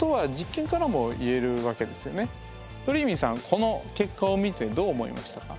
この結果を見てどう思いましたか？